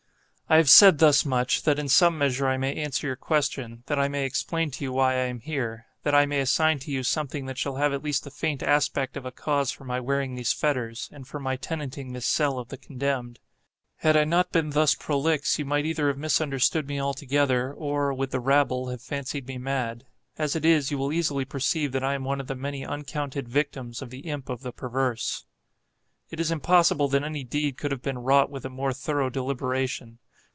I have said thus much, that in some measure I may answer your question—that I may explain to you why I am here—that I may assign to you something that shall have at least the faint aspect of a cause for my wearing these fetters, and for my tenanting this cell of the condemned. Had I not been thus prolix, you might either have misunderstood me altogether, or, with the rabble, have fancied me mad. As it is, you will easily perceive that I am one of the many uncounted victims of the Imp of the Perverse. It is impossible that any deed could have been wrought with a more thorough deliberation.